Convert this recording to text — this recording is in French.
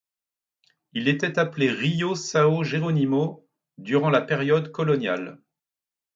Il était appelé Rio São Jerônimo durant la période coloniale.